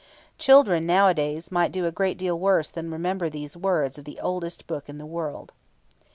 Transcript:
Children nowadays might do a great deal worse than remember these wise words of the oldest book in the world.